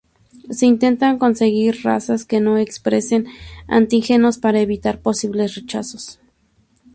Se intentan conseguir razas que no expresen antígenos para evitar posibles rechazos.